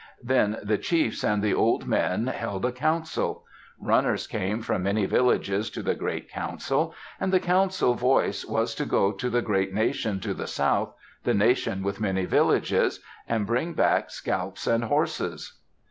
Then the chiefs and the old men held a council. Runners came from many villages to the great council. And the council voice was to go to the great nation to the south, the nation with many villages, and bring back scalps and horses.